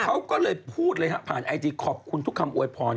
เขาก็เลยพูดเลยฮะผ่านไอจีขอบคุณทุกคำอวยพร